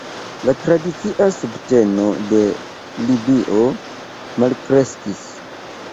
La tradicia subteno de Libio malkreskis.